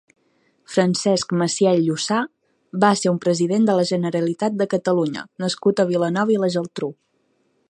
Francesc Macià i Llussà va ser un president de la Generalitat de Catalunya nascut a Vilanova i la Geltrú.